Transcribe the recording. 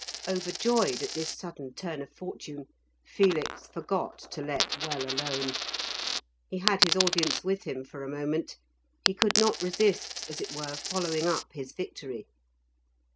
Overjoyed at this sudden turn of fortune, Felix forgot to let well alone. He had his audience with him for a moment; he could not resist as it were following up his victory.